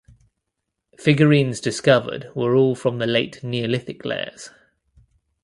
Figurines discovered were all from Late Neolithic layers.